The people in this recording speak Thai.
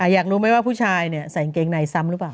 อยากรู้ไหมว่าผู้ชายเนี่ยใส่อังเกงเนี่ยซ้ำหรือเปล่า